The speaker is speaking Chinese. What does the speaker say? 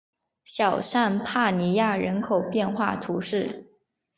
小尚帕尼亚人口变化图示